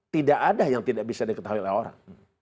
tidak ada yang tidak bisa diketahui oleh orang